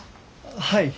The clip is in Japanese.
はい。